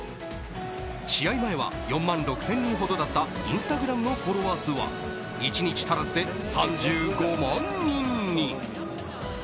試合前は４万６０００人ほどだったインスタグラムのフォロワー数は１日足らずで３５万人に。